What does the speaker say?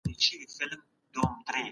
اقتصادي تعاون د اسلام اصل دی.